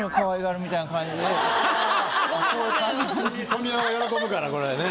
富美男が喜ぶからこれね。